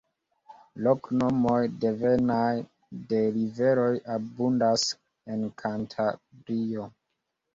Loknomoj devenaj de riveroj abundas en Kantabrio.